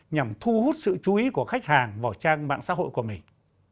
nhằm thu hút sự chú ý của khách hàng vào trang mạng xã hội của mình